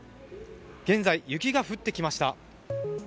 現在、雪が降ってきました。